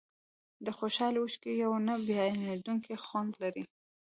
د خوشحالۍ اوښکې یو نه بیانېدونکی خوند لري.